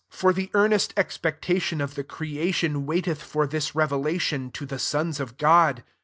19 For the earnest expecta tion of the creation waiteth for this revelation to the sons of God.